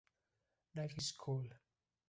Night School".